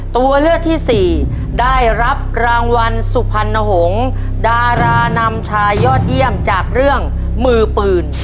ตัวเลือกที่สี่ได้รับรางวัลสุพรรณหงษ์ดารานำชายยอดเยี่ยมจากเรื่องมือปืน